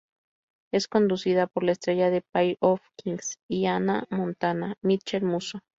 Es conducido por la estrella de "Pair of Kings" y "Hannah Montana", Mitchel Musso.